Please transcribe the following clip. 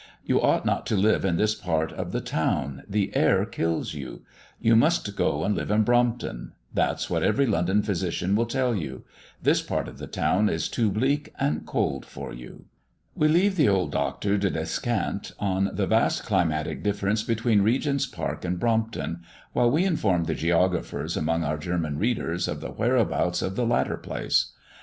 "You ought not to live in this part of the town, the air kills you. You must go and live in Brompton; that's what every London physician will tell you. This part of the town is too bleak and cold for you." We leave the old Doctor to descant on the vast climatic difference between Regent's Park and Brompton, while we inform the geographers among our German readers of the whereabouts of the latter place.